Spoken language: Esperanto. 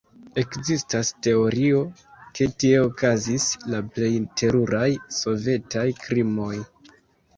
Ekzistas teorio, ke tie okazis la plej teruraj sovetaj krimoj.